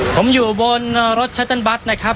ผมอยู่บนรถชัตเติลบัตรนะครับ